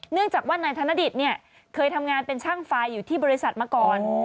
เนื่องจากว่านายธนดิตเนี่ยเคยทำงานเป็นช่างไฟอยู่ที่บริษัทมาก่อน